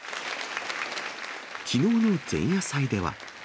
きのうの前夜祭では。